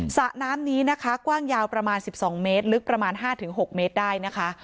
สระน้ำนี้นะคะกว้างยาวประมาณ๑๒เมตรลึกประมาณ๕๖เมตรได้นะคะ